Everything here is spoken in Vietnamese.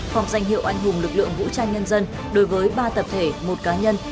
phong danh hiệu anh hùng lực lượng vũ trang nhân dân đối với ba tập thể một cá nhân